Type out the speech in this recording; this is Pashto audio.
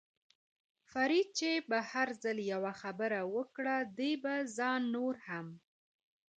فرید چې به هر ځل یوه خبره وکړه، دې به ځان نور هم.